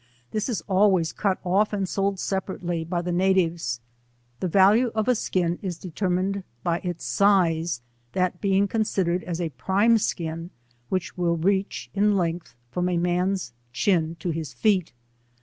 This is always cut off and sold separately by the natives. The value of a skin is determined by its size, that being considered as a prime skin which will reach, in length, from a man's chin to his feet.